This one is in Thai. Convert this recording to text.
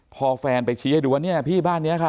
พอแฟนไปชี้ให้ดูว่าเนี่ยพี่บ้านนี้ค่ะ